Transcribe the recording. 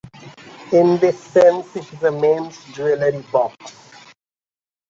In this sense, it is a men's jewelry box.